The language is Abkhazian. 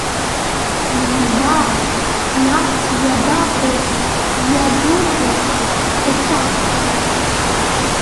Ианба, нас, иабаҟоу, иабыкәу сахьақәшәара?